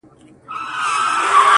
د ټپې په رزم اوس هغه ده پوه سوه،